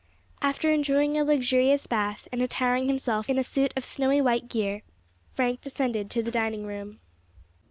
After enjoying a luxurious bath, and attiring himself in a suit of snowy white gear, Frank descended to the dining room.